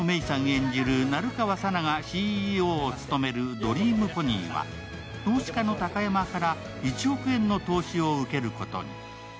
演じる成川佐奈がＣＥＯを務めるドリームポニーは投資家の高山から１億円の投資を受けることに。